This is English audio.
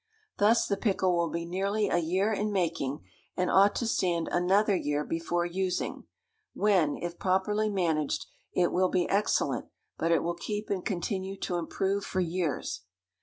Thus the pickle will be nearly a year in making, and ought to stand another year before using, when, if properly managed, it will be excellent, but it will keep and continue to improve for years.